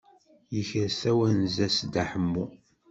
Yekres tawenza-s Dda Ḥemmu.